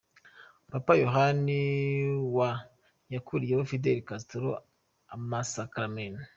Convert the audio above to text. Papa Yohani wa yakuriyeho Fidel Castro amasakaramentu.